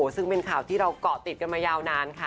ซึ่งเป็นข่าวที่เราเกาะติดกันมายาวนานค่ะ